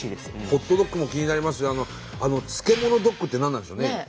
「ホットドッグ」も気になりますしあの「漬物ドッグ」って何なんでしょうね？